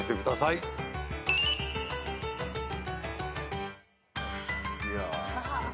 いや。